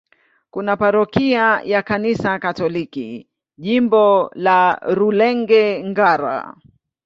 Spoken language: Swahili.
Kuna parokia ya Kanisa Katoliki, Jimbo la Rulenge-Ngara.